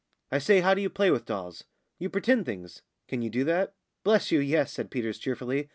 "I say, how do you play with dolls?" "You pretend things. Can you do that?" "Bless you, yes!" said Peters, cheerfully.